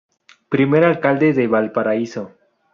Primer alcalde de Valparaíso.